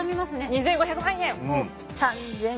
２，５００万円。